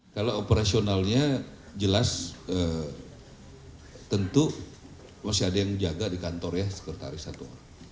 kalau operasionalnya jelas tentu masih ada yang jaga di kantor ya sekretaris satu